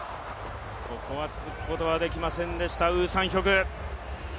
ここは続くことはできませんでした、ウ・サンヒョク。